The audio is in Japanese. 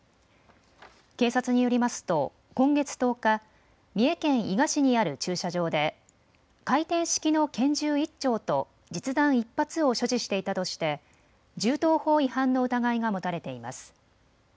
警察によりますと今月１０日、三重県伊賀市にある駐車場で回転式の拳銃１丁と実弾１発を所持していたとして銃刀法違反の疑いが持たれています。